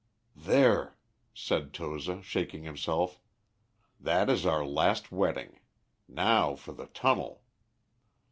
"There," said Toza, shaking himself, "that is our last wetting. Now for the tunnel!"